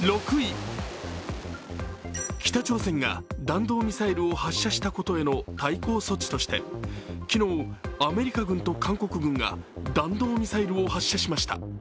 北朝鮮が弾道ミサイルを発射したことへの対抗措置として昨日、アメリカ軍と韓国軍が弾道ミサイルを発射しました。